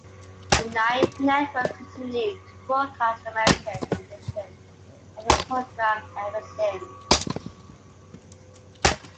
The Nine Network continued to broadcast the American edition of the program ever since.